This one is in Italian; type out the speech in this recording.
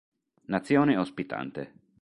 Nazione ospitante